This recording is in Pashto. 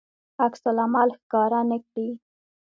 عکس العمل ښکاره نه کړي.